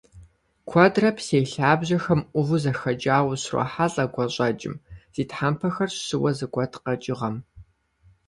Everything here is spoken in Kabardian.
Куэдрэ псей лъабжьэхэм Ӏуву зэхэкӀауэ ущрохьэлӀэ гуащӀэкӀым - зи тхьэмпэхэр щыуэ зэгуэт къэкӀыгъэм.